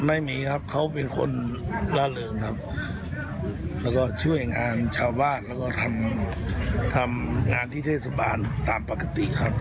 ไม่มีครับเขาเป็นคนล่าเริงครับแล้วก็ช่วยงานชาวบ้านแล้วก็ทำงานที่เทศบาลตามปกติครับ